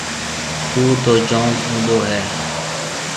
کُوه تو جوم اُونڏو هيَ۔